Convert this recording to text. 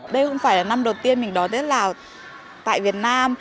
đây không phải là năm đầu tiên mình đón tết lào tại việt nam